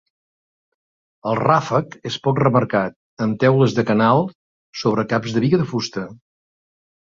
El ràfec és poc remarcat, amb teules de canal sobre caps de biga de fusta.